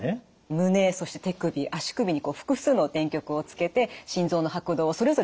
胸そして手首足首に複数の電極をつけて心臓の拍動をそれぞれ調べていきます。